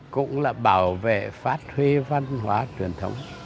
cũng là bảo vệ phát huy văn hóa truyền thống